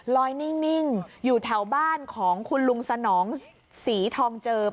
นิ่งอยู่แถวบ้านของคุณลุงสนองศรีทองเจิม